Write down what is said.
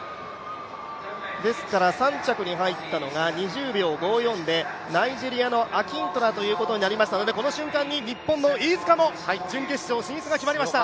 ３着に入ったのが、２０秒５４でナイジェリアのアキントラということになりましたのでこの瞬間に日本の飯塚も準決勝進出が決まりました。